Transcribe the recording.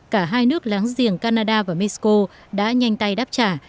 cả hai nước láng giềng canada và mexico đã nhanh tay đáp trả